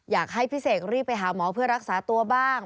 อยากให้พี่เสกรีบไปหาหมอเพื่อรักษาตัวบ้าง